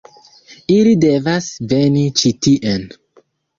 Ili devas veni ĉi tien.